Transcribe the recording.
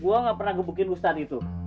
gue gak pernah gebukin ustadz itu